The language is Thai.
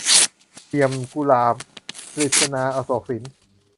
เหลี่ยมกุหลาบ - กฤษณา อโศกสิน